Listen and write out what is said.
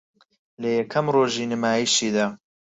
لە یەکەم رۆژی نمایشیدا